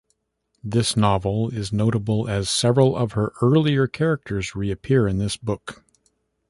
This novel is notable as several of her earlier characters reappear in this book.